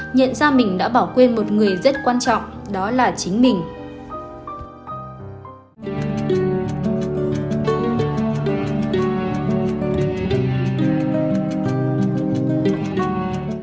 nhận ra mình đã bỏ quên một người rất quan trọng đó là chính mình